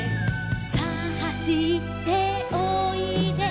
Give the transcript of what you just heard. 「さあ走っておいで」